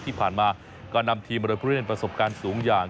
ที่ผ่านมาก็นำทีมมาโดยผู้เล่นประสบการณ์สูงอย่าง